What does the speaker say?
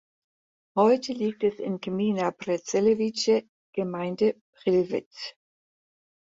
Heute liegt es in der Gmina Przelewice "(Gemeinde Prillwitz)".